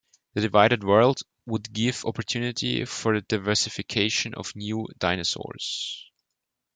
The divided world would give opportunity for the diversification of new dinosaurs.